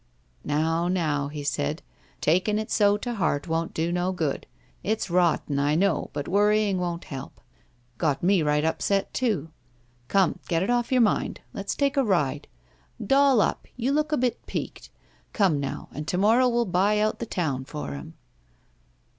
"Now, now," he said; "taking it so to heart won't do no good. It's rotten, I know, but worrying won't help. Got me right upset, too. Come, get it off your mind. Let's take a ride. Doll up; you look a bit peaked. Come now, and to morrow we'll buy out the town for him."